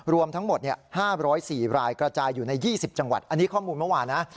รวมทั้งหมด๕๐๔รายกระจายอยู่ใน๒๐จังหวัดอันนี้ข้อมูลเมื่อวานนะ